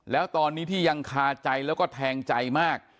แล้วตอนนี้ที่ยังคาใจแล้วก็แทงใจมาก